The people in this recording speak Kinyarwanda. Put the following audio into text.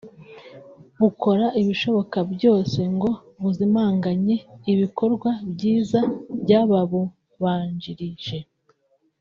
bukora ibishoboka byose ngo buzimanganye ibikorwa byiza by’ababubanjirije